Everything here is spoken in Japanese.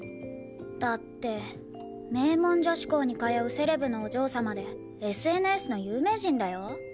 だって名門女子校に通うセレブのお嬢様でＳＮＳの有名人だよ？